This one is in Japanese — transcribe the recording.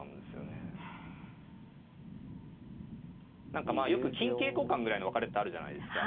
何かまあよく金桂交換ぐらいの分かれってあるじゃないですか。